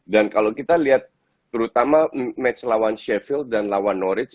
dan kalau kita lihat terutama match lawan sheffield dan lawan norwich